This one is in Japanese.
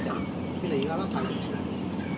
けど今は解読しないです。